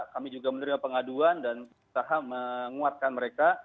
kami juga menerima pengaduan dan usaha menguatkan mereka